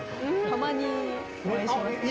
たまにお会いしますね。